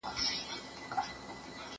سندري د ملګرو له خوا اورېدلې کيږي!